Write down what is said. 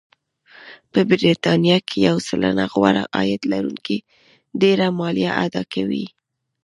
په بریتانیا کې یو سلنه غوره عاید لرونکي ډېره مالیه اداکوي